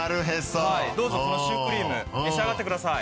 どうぞこのシュークリーム召し上がってください。